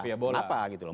kenapa gitu loh